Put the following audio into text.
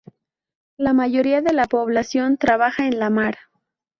La mayoría de la población trabaja en la mar.